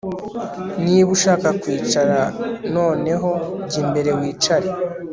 Niba ushaka kwicara noneho jya imbere wicare